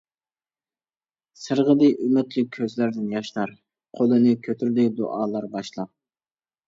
سىرغىدى ئۈمىدلىك كۆزلەردىن ياشلار، قولىنى كۆتۈردى دۇئالار باشلاپ.